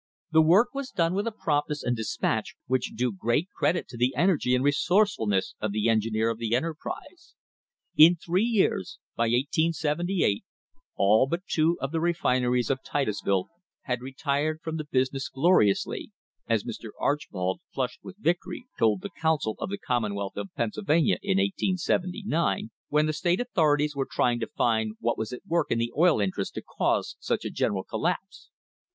The work was done with a promptness" and despatch which do great credit to the energy and resourcefulness of the engineer of the enterprise. In three years, by 1878, all but two of the refineries of Titusville had "retired from the business gloriously," as Mr. Archbold, flushed with victory, told the counsel of the Commonwealth of Pennsylvania in 1879, when the state authorities were try ing to find what was at work in the oil interests to cause such a general collapse.